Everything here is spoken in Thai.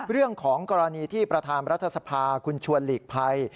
เรื่องของกรณีที่ประธานรัฐสภาคุณชวนหลีกภัย